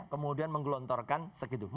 kemudian menggelontorkan segitu